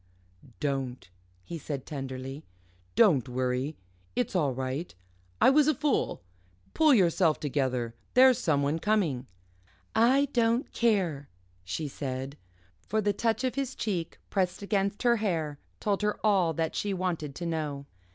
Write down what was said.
"Don't!" he said tenderly, "don't worry. It's all right I was a fool. Pull yourself together there's someone coming." "I don't care," she said, for the touch of his cheek, pressed against her hair, told her all that she wanted to know.